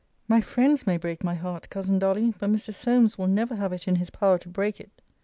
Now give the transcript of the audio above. My friends may break my heart, cousin Dolly; but Mr. Solmes will never have it in his power to break it.